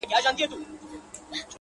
هغه نن بيا د چا د ياد گاونډى